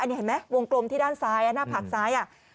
นี่เห็นไหมวงกลมที่ด้านซ้ายหน้าผากซ้าย